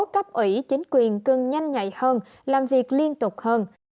cấp ủy chính quyền cần nhanh nhạy hơn làm việc liên tục hơn